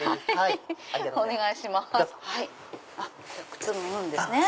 靴脱ぐんですね